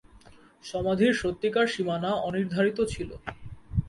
সমাধির সত্যিকার সীমানা অনির্ধারিত ছিল।